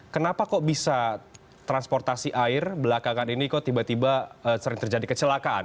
kenapa kok bisa transportasi air belakangan ini kok tiba tiba sering terjadi kecelakaan